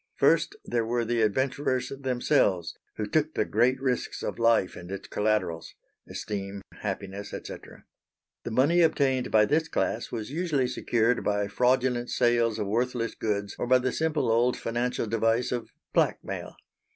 First there were the adventurers themselves who took the great risks of life and its collaterals esteem, happiness, &c. The money obtained by this class was usually secured by fraudulent sales of worthless goods or by the simple old financial device of blackmail.